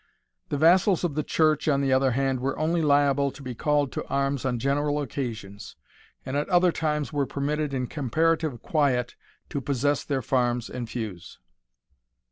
The vassals of the church, on the other hand, were only liable to be called to arms on general occasions, and at other times were permitted in comparative quiet to possess their farms and feus.